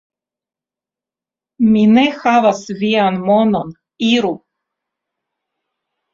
Mi ne havas vian monon, iru!